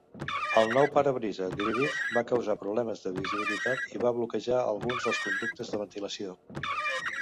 El nou parabrisa dividit va causar problemes de visibilitat i va bloquejar alguns dels conductes de ventilació.